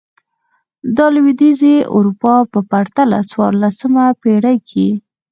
دا د لوېدیځې اروپا په پرتله په څوارلسمه پېړۍ کې و.